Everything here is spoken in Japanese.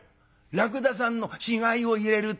「らくださんの死骸を入れるって」。